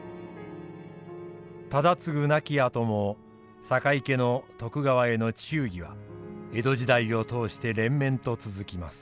忠次亡きあとも酒井家の徳川への忠義は江戸時代を通して連綿と続きます。